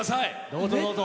どうぞどうぞ。